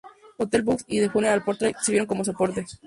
Hotel Books y The Funeral Portrait sirvieron como soporte.